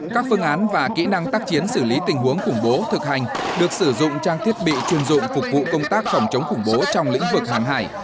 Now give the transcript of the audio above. các phương án và kỹ năng tác chiến xử lý tình huống khủng bố thực hành được sử dụng trang thiết bị chuyên dụng phục vụ công tác phòng chống khủng bố trong lĩnh vực hàng hải